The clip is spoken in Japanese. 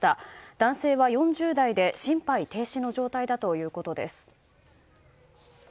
男性は４０代で、心肺停止の状態だということです。